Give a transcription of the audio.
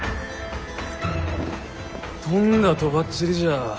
とんだとばっちりじゃ。